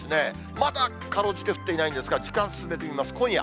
まだかろうじて降っていないんですが、時間進めてみます、今夜。